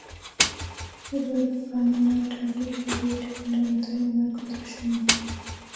এবার পান্ডাটাকে সরিয়ে ঠান্ডা মাথায় আমার কথা শোনো।